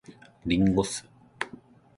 林檎酢